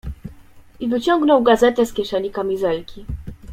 "I wyciągnął gazetę z kieszeni kamizelki."